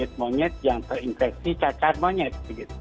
kalau ada monyet yang terinfeksi cacar monyet